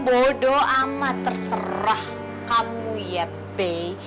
bodoh amat terserah kamu ya b